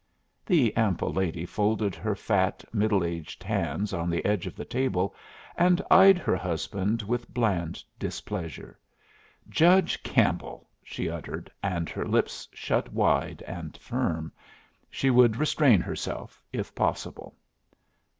The ample lady folded her fat, middle aged hands on the edge of the table, and eyed her husband with bland displeasure. "Judge Campbell!" she uttered, and her lips shut wide and firm. She would restrain herself, if possible.